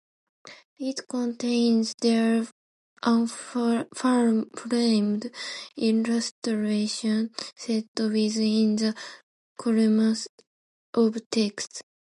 It contains three unframed illustrations set within the columns of text.